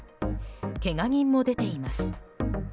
けが人も出ています。